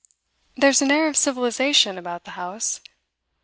There's an air of civilisation about the house.